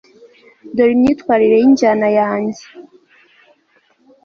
dore imyitwarire yinjyana yanjye